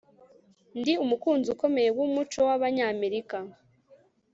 Ndi umukunzi ukomeye wumuco wabanyamerika